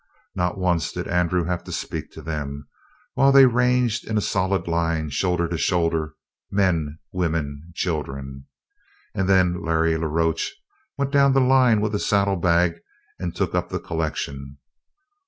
Not once did Andrew have to speak to them, while they ranged in a solid line, shoulder to shoulder, men, women, children. And then Larry la Roche went down the line with a saddlebag and took up the collection.